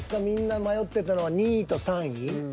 みんな迷ってたのは２位と３位。